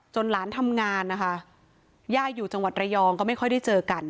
หลานทำงานนะคะย่าอยู่จังหวัดระยองก็ไม่ค่อยได้เจอกัน